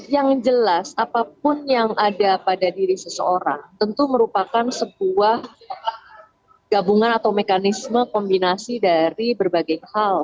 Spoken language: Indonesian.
yang jelas apapun yang ada pada diri seseorang tentu merupakan sebuah gabungan atau mekanisme kombinasi dari berbagai hal